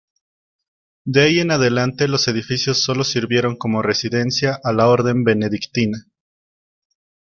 De ahí en adelante los edificios sólo sirvieron como residencia a la Orden Benedictina.